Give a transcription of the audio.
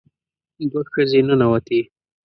دوه ښځې ننوتې.